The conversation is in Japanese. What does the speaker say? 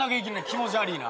気持ち悪いな。